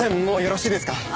もうよろしいですか？